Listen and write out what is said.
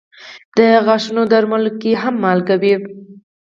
د غاښونو درملو کې هم مالګه وي.